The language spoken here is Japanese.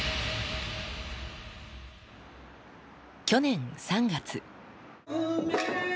去年３月。